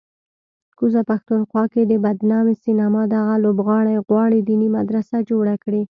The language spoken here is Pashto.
کوزه پښتونخوا کې د بدنامې سینما دغه لوبغاړی غواړي دیني مدرسه جوړه کړي